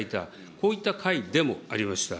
こういった会でもありました。